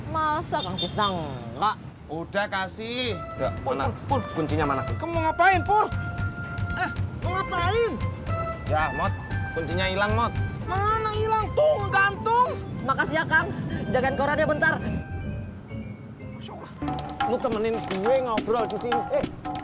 masuklah mau temenin gue ngobrol disini